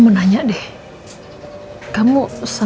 pernah di hoja ini